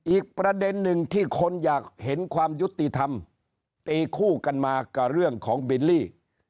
อีกประเด็นหนึ่งที่คนอยากเห็นความยุติธรรมตีคู่กันมากับเรื่องของบิลลี่